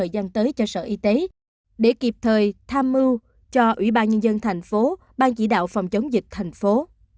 để kịp thời tham mưu cho ủy ban nhân dân thành phố ban chỉ đạo phòng chống dịch thành phố